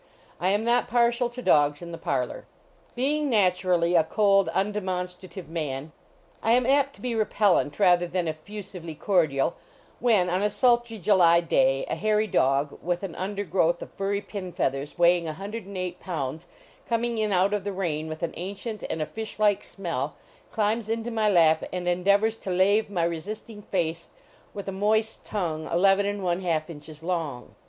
I am not partial to dogs in the parlor. Being naturally a cold, undemonstrative man, I am apt to be repellent rather than effusively cordial when, on a sultry July day, a hairy dog, with an undergrowth of furry pin leathers, weighing 108 pounds, coming in out of the rain with an ancient and a fish like smell, climbs into my lap and en deavors to lave my resisting face with a moist tongue eleven and one half inches long.